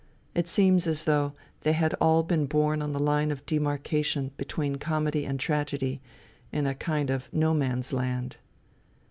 It seems as though they had all been born on the line of demarcation between comedy and tragedy — in a kind of No Man's Land.